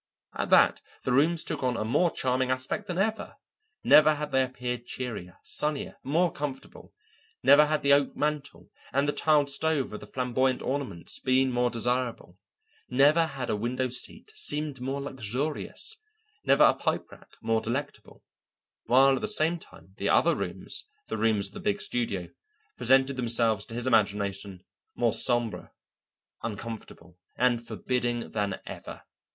At that the rooms took on a more charming aspect than ever; never had they appeared cheerier, sunnier, more comfortable; never had the oak mantel and the tiled stove with the flamboyant ornaments been more desirable; never had a window seat seemed more luxurious, never a pipe rack more delectable, while at the same time, the other rooms, the rooms of the big studio, presented themselves to his imagination more sombre, uncomfortable, and forbidding than ever.